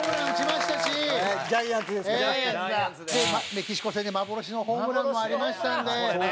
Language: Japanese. メキシコ戦で幻のホームランもありましたんで。